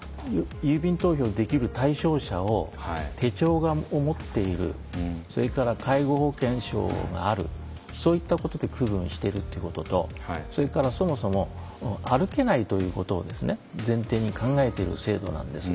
郵便投票できる対象者を手帳を持っているそれから介護保険証があるそういったことで区分しているということとそれからそもそも歩けないということを前提に考えている制度なんです。